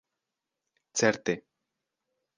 certe